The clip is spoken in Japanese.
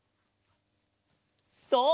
そう！